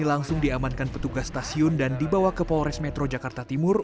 langsung diamankan petugas stasiun dan dibawa ke polres metro jakarta timur